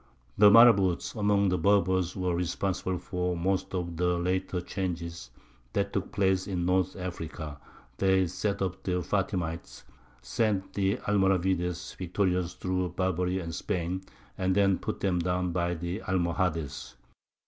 The marabouts among the Berbers were responsible for most of the later changes that took place in North Africa: they set up the Fatimites, sent the Almoravides victorious through Barbary and Spain, and then put them down by the Almohades.